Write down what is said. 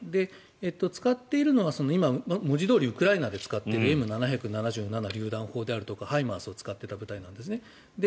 使っているのは今、文字どおりウクライナで使っているＭ７７７りゅう弾砲であるとかＨＩＭＡＲＳを使っていた部隊なんですね。